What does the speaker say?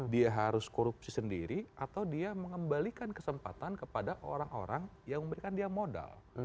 dia harus korupsi sendiri atau dia mengembalikan kesempatan kepada orang orang yang memberikan dia modal